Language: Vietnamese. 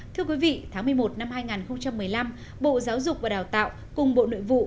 thưa quý vị tháng một mươi một năm hai nghìn một mươi năm bộ giáo dục và đào tạo cùng bộ nội vụ